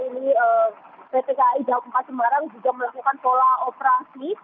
ini pt kai daup empat semarang juga melakukan pola operasi